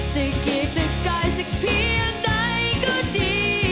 ตึกกีกตึกกายสักเพียงใดก็ดี